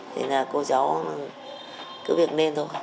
thì là cô cháu cứ việc nên thôi